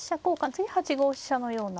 次８五飛車のような手を。